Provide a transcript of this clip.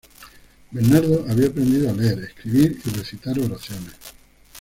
Bernardo había aprendido a leer, escribir y recitar oraciones.